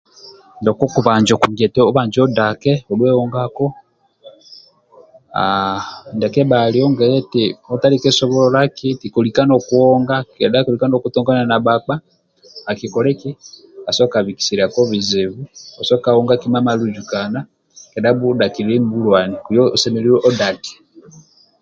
Ndia kokubanja okugia eti obanje odake odhuwe ongako haaa ndia kebhali ongie eti otandike sobololaki eti kolika nokuonga kedha kolika nokutongana na bhakpa akikola eki asoboka bikisiako bizibu osoboka onga kima maluzukana kedha bhudhakililie nibhulwani kuyo osemelelu odake